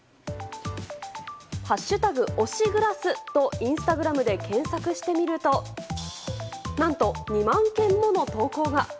「＃推しグラス」とインスタグラムで検索してみると何と、２万件もの投稿が。